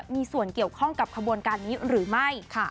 มีส่วนเกี่ยวข้องกับขบวนการนี้หรือไม่